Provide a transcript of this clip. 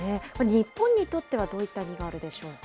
日本にとってはどういった意味があるでしょうか。